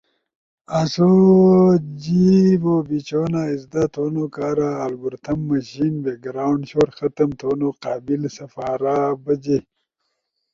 آسو جیچھونا ازدا تھونوکارا الگور تھم مشین بیک گراونڈ شور ختم تھونو قابل سپارا بجئی۔